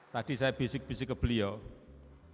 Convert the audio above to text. tadi saya bisik bisik ke beliau